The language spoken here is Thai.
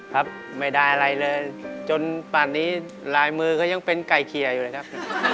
ครับไม่ได้อะไรเลยจนป่านนี้ลายมือก็ยังเป็นไก่เขียอยู่เลยครับ